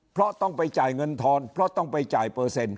เพราะต้องไปจ่ายเงินทอนเพราะต้องไปจ่ายเปอร์เซ็นต